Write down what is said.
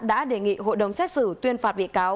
đã đề nghị hội đồng xét xử tuyên phạt bị cáo